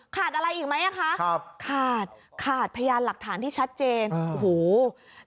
ขาดอะไรอีกไหมว้ามคะขาดพญานหลักฐานที่ชัดเจนอืม